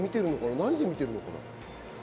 何で見てるのかな？